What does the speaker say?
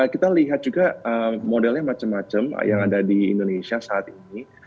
kita lihat juga modelnya macam macam yang ada di indonesia saat ini